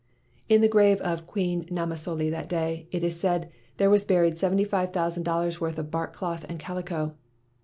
In the grave of Queen Namasole that day, it is said, there was buried seventy five thousand dollars' worth of bark cloth and calico.